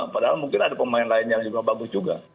padahal mungkin ada pemain lain yang juga bagus juga